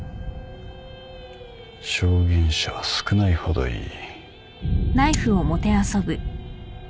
証言者は少ないほどいい。